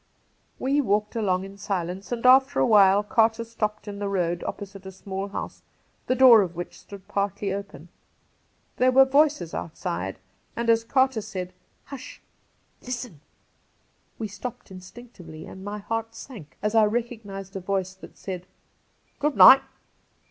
We walked along in silence, and after a while Carter stopped in the road opposite a small house, the door of which stood partly open. There were voices outside, and as Carter said, Cassidy 141 ' Hush ! listen !' we stopped instiBctively, and my heart sank as I recognised a voice that said ' Good night.'